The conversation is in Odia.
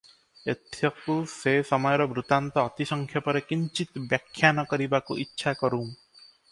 ଏଥକୁ ସେ ସମୟର ବୃତ୍ତାନ୍ତ ଅତି ସଂକ୍ଷେପରେ କିଞ୍ଚିତ୍ ବ୍ୟାଖ୍ୟାନ କରିବାକୁ ଇଚ୍ଛା କରୁଁ!